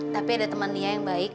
tapi ada teman dia yang baik